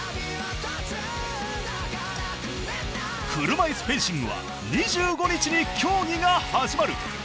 車いすフェンシングは２５日に競技が始まる！